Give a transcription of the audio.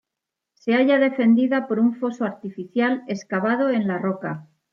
Se halla defendida por un foso artificial, excavado en la roca.